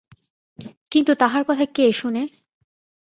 কিন্তু তাহার কথা শোনে কে?